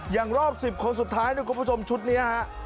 รอบ๑๐คนสุดท้ายนะคุณผู้ชมชุดนี้ฮะ